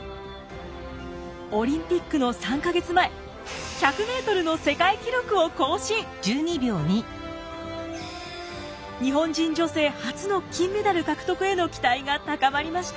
オリンピックの３か月前日本人女性初の金メダル獲得への期待が高まりました。